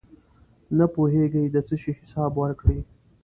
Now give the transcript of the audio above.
نشی پوهېږي د څه شي حساب ورکړي.